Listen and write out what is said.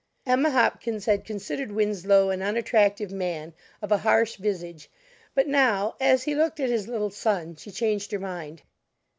Emma Hopkins had considered Winslow an unattractive man, of a harsh visage, but now, as he looked at his little son, she changed her mind.